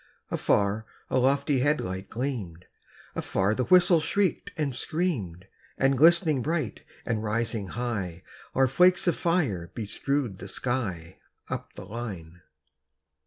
Afar the lofty head light gleamed; Afar the whistle shrieked and screamed; And glistening bright, and rising high, Our flakes of fire bestrewed the sky, Up the line.